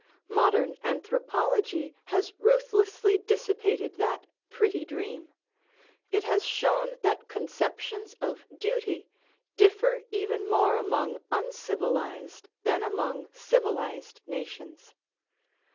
Modern anthropology has ruthlessly dissipated that pretty dream ; it has shown that conceptions of duty differ even more among un civilized than among civilized nations.